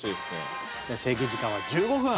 じゃあ制限時間は１５分。